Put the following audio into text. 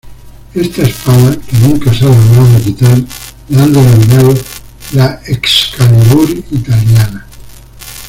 Esta espada, que nunca se ha logrado quitar, la han denominado la ""Excalibur italiana"".